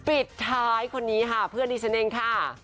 ปิดท้ายคนนี้ค่ะเพื่อนดิฉันเองค่ะ